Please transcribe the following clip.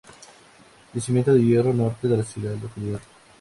Yacimiento de hierro al Norte de la localidad.